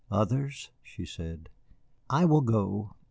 "Others?" she said. "I will go.